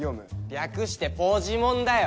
略してポジモンだよ。